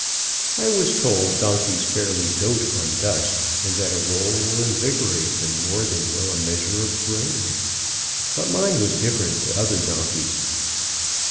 I was told donkeys fairly dote on dust, and that a roll will invigorate them more than will a measure of grain. But mine was different to other donkeys.